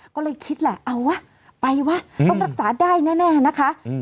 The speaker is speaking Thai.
ก็เลยคิดแหละเอาวะไปวะต้องรักษาได้แน่นะคะ